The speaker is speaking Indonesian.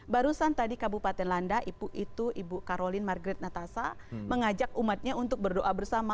barusan tadi kabupaten landa ibu itu ibu karolin margrid natasa mengajak umatnya untuk berdoa bersama